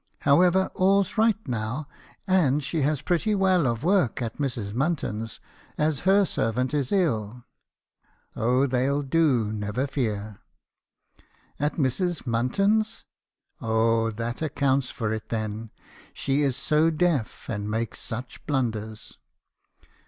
However, all's right now; and she has pretty well of work at Mrs. Munton's, as her servant is ill. Oh, they '11 do, never fear.' "'At Mrs. Munton's? Oh, that accounts for it, then. She is so deaf, and makes such blunders.'